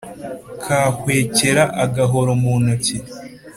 Kahwekera.- Agahoro mu ntoki.